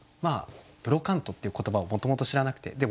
「ブロカント」っていう言葉をもともと知らなくて。